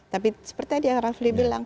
tapi seperti ada ya rafli